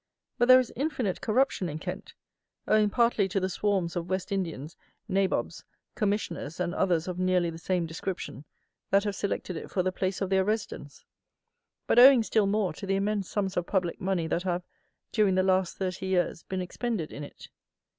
But there is infinite corruption in Kent, owing partly to the swarms of West Indians, Nabobs, Commissioners, and others of nearly the same description, that have selected it for the place of their residence; but owing still more to the immense sums of public money that have, during the last thirty years, been expended in it.